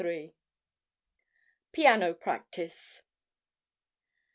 PIANO PRACTICE.